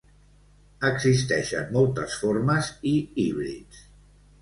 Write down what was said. Existeixen moltes formes i híbrids.